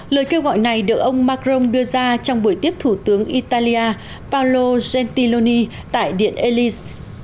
lời kêu gọi này được ông macron đưa ra trong buổi tiếp thủ tướng italia palolo gentiloni tại điện elis